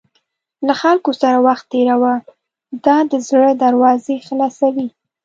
له خلکو سره وخت تېروه، دا د زړه دروازې خلاصوي.